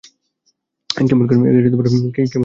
কেমন করে বলব।